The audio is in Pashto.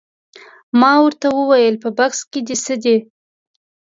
ما ورته وویل په بکس کې دې څه دي؟